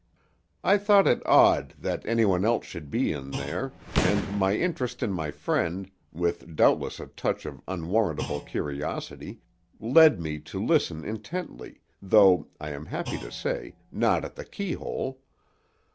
I thought it odd that any one else should be in there, and my interest in my friend—with doubtless a touch of unwarrantable curiosity—led me to listen intently, though, I am happy to say, not at the keyhole.